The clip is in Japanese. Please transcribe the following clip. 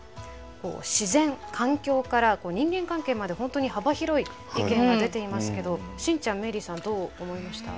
自然環境から人間関係まで本当に幅広い意見が出ていますけどしんちゃんＭＥＩＲＩさんどう思いました？